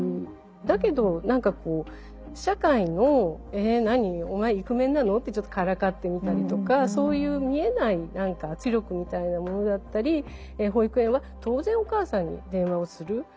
だけど何かこう社会の「えなにお前イクメンなの？」ってちょっとからかってみたりとかそういう見えない圧力みたいなものだったり保育園は当然お母さんに電話をする。